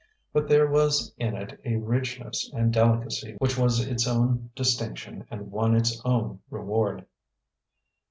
but there was in it a richness and delicacy which was its own distinction and won its own reward.